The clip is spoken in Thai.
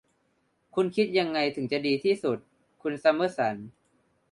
คุณคิดยังไงถึงจะดีที่สุด คุณซัมเมอร์สัน